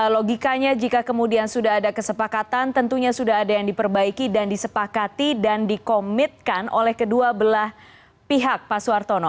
logikanya jika kemudian sudah ada kesepakatan tentunya sudah ada yang diperbaiki dan disepakati dan dikomitkan oleh kedua belah pihak pak suartono